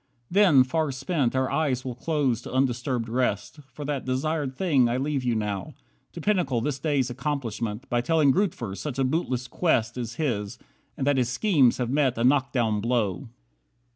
Then, far spent, Our eyes will close to undisturbed rest. For that desired thing I leave you now. To pinnacle this day's accomplishment, By telling Grootver that a bootless quest Is his, and that his schemes have met a knock down blow."